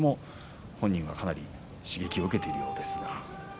本人にはかなり刺激を受けているようです。